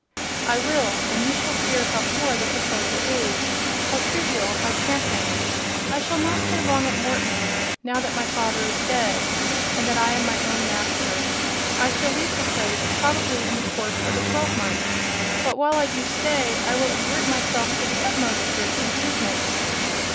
"I will; and you shall hear how poor the proposal is,—how trivial—how cramping. I shall not stay long at Morton, now that my father is dead, and that I am my own master. I shall leave the place probably in the course of a twelve month; but while I do stay, I will exert myself to the utmost for its improvement.